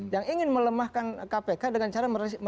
yang ingin melemahkan kpk dengan cara merespon